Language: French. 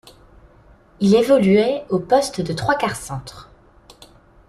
Il évoluait au poste de trois-quarts centre.